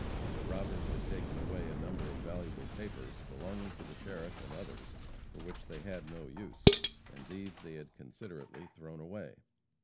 The robbers had taken away a number of valuable papers belonging to the sheriff and others, for which they had no use, and these they had considerately thrown away.